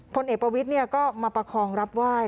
พลเอกประวิทย์ก็มาประคองรับไหว้